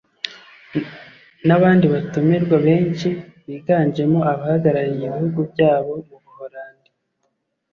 n’abandi batumirwa benshi biganjemo abahagarariye ibihugu byabo mu Buholandi